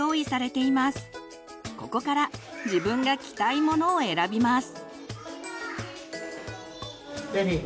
ここから自分が着たいものを選びます。